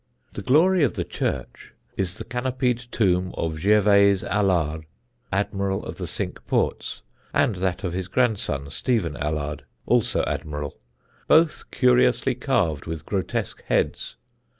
The glory of the church is the canopied tomb of Gervase Alard, Admiral of the Cinque Ports, and that of his grandson Stephen Alard, also Admiral, both curiously carved with grotesque heads.